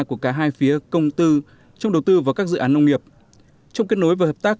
của cả hai phía công tư trong đầu tư vào các dự án nông nghiệp trong kết nối và hợp tác